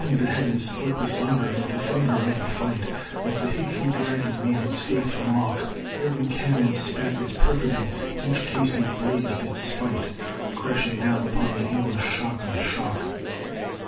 _ the heavens split asunder with the thunder of the fight As the hateful dragon made its faith a mock; Every cannon spat its perfidy, each casemate blazed its spite, Crashing down upon the English, shock on shock.